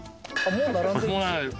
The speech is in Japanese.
もう並んでる！